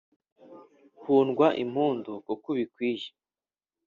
hundwa impundu kuko ubikwiye